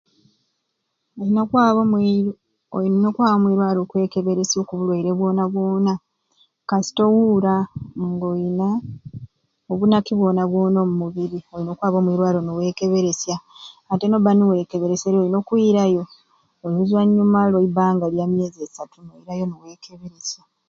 Oyina okwaba omwi oyina okwaba omwiraro okwekeberesya oku bulwaire bwona bwona kasita owuura nga oyina obunaki bwona omubiri olina okwaba omuirwaro niwekeberesya ate noba niwekebereserye oyina okwirayo oluzwanyuma lwa banga lya myezi isaatu noirayo niwekeberesya.